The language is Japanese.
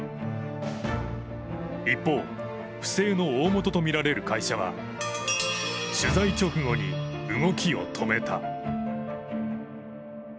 一方、不正の大元とみられる会社は、取材直後に動きを止めた。